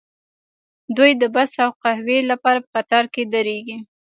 دوی د بس او قهوې لپاره په قطار کې دریږي